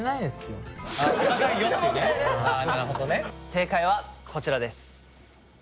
・正解はこちらです。